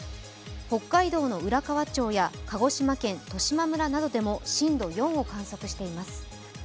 北海道の浦河町や鹿児島県十島村などでも震度４を観測しています。